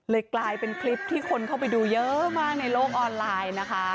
กลายเป็นคลิปที่คนเข้าไปดูเยอะมากในโลกออนไลน์นะคะ